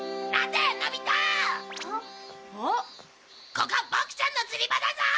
ここはボクちゃんの釣り場だぞ！